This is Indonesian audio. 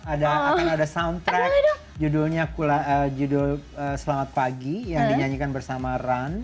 akan ada soundtrack judul selamat pagi yang dinyanyikan bersama run